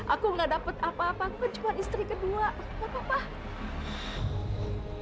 aku gak dapet apa apa aku cuma istri kedua gak apa apa